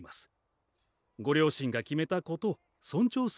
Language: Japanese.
ご両親が決めたことを尊重すべきでしょう。